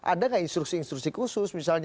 ada gak instruksi instruksi kekuasaan